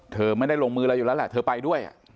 เธอไม่ได้ลงมืออะไรอยู่แล้วแหละเธอไปด้วย